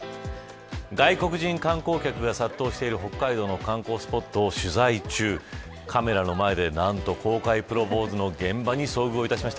外国人観光客が殺到している北海道の観光スポットを取材中カメラの前で何と公開プロポーズの現場に遭遇いたしました。